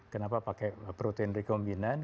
kenapa pakai protein recombinant